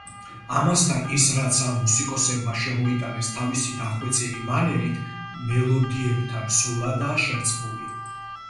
ამასთან ის რაც ამ მუსიკოსებმა შემოიტანეს თავისი დახვეწილი მანერით მელოდიებთან სრულადაა შერწყმული.